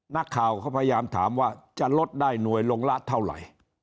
นักข่าวก็พยายามถามว่าจะลดได้หน่วยลงละเท่าไหร่